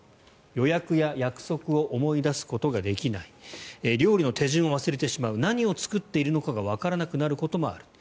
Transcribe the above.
予約や約束を思い出すことができない料理の手順を忘れてしまう何を作っているのかわからなくなることもある。